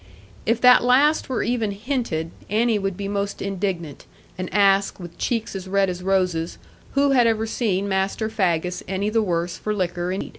If that last were even hinted, Annie would be most indignant, and ask, with cheeks as red as roses, who had ever seen Master Faggus any the worse for liquor indeed?